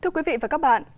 thưa quý vị và các bạn